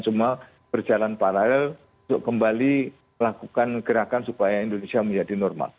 semua berjalan paralel untuk kembali melakukan gerakan supaya indonesia menjadi normal